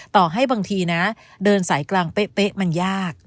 ต่อให้บางทีนะเดินสายกลางเป๊ะมันยาก